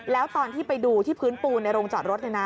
แล้วตอนที่ไปดูที่พื้นปูนในโรงจอดรถ